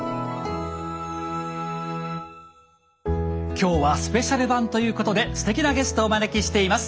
今日はスペシャル版ということですてきなゲストをお招きしています。